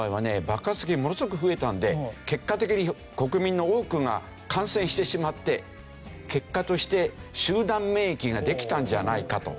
爆発的にものすごく増えたので結果的に国民の多くが感染してしまって結果として集団免疫ができたんじゃないかと。